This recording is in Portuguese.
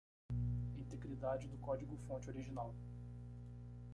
Integridade do código fonte original.